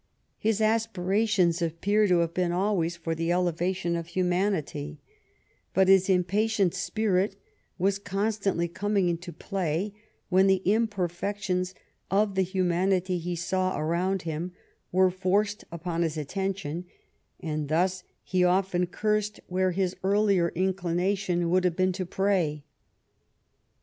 His aspirations appear to have been always for the elevation of humanity, but his impatient spirit was constantly coming into play when the imperfec tions of the humanity he saw around him were forced upon his attention, and thus he often cursed where his earlier inclination would have been to pray.